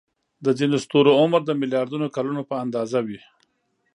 د ځینو ستورو عمر د ملیاردونو کلونو په اندازه وي.